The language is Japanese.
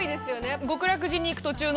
お寺に行く途中の。